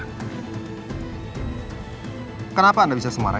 ini bunga yang saya beli